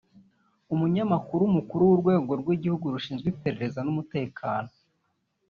Umunyamabanga Mukuru w’Urwego rw’Igihugu rushinzwe Iperereza n’Umutekano